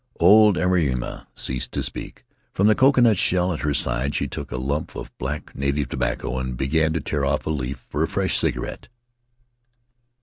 Old Airima ceased to speak. From the coconut shell at her side she took a lump of black native tobacco and began to tear off a leaf for a fresh cigarette.